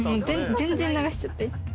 ・全然流しちゃって。